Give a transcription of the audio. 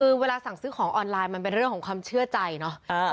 คือเวลาสั่งซื้อของออนไลน์มันเป็นเรื่องของความเชื่อใจเนาะ